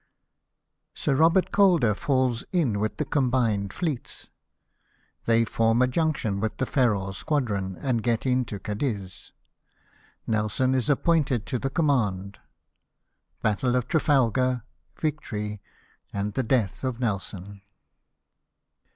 Sir Robert Cakler falls in with the combined Fleets — They form a junc tion with the Ferrol Squadron, and get into Cadiz — Nelson is re appointed to the command — Battle of Trafalgar, Victory, and Death of Nelson.